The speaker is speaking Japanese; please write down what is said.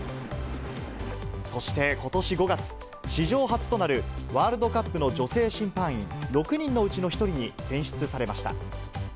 そして、ことし５月、史上初となる、ワールドカップの女性審判員６人のうちの１人に選出されました。